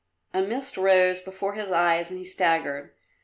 A mist rose before his eyes and he staggered.